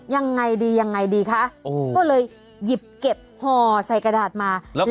ยังไงดียังไงดีคะโอ้ต้องเลยหยิบเก็บห่อใส่กระดาษมาแล้วก็